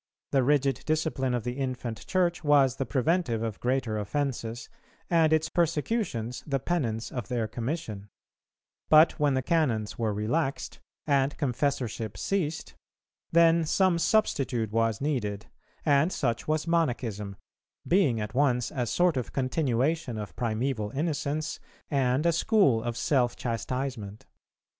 The rigid discipline of the infant Church was the preventive of greater offences, and its persecutions the penance of their commission; but when the Canons were relaxed and confessorship ceased, then some substitute was needed, and such was Monachism, being at once a sort of continuation of primeval innocence, and a school of self chastisement.